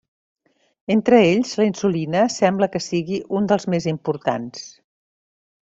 Entre ells, la insulina sembla que sigui un dels més importants.